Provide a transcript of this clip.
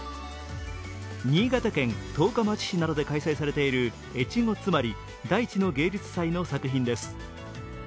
新潟県十日町市などで開催されている越後妻有・大地の芸術祭の作品です。